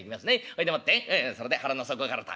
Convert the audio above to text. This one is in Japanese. そいでもってそれで腹の底からと。